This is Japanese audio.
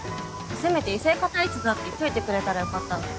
せめて異性化体質だって言っといてくれたらよかったのに。